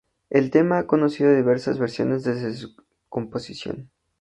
El tema ha conocido diversas versiones desde su composición.